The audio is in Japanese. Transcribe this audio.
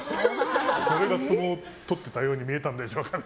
それが相撲を取ってたように見えたんですかね。